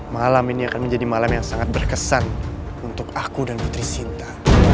malam ini akan menjadi malam yang sangat berkesan untuk aku dan putri sinta